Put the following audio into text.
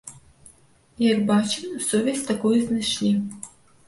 Як бачым, сувязь такую знайшлі.